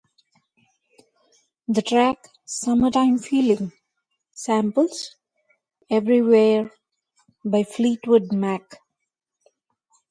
The track "Summertime Feeling" samples "Everywhere" by Fleetwood Mac.